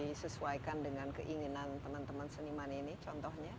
ataupun di sesuaikan dengan keinginan teman teman seniman ini contohnya